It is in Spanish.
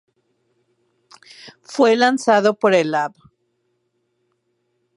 Fue lanzado por el Lab.